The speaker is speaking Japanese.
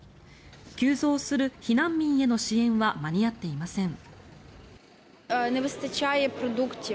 急増する避難民への支援は間に合っていません。